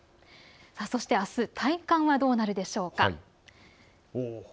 そしてあす体感はどうなるでしょうか。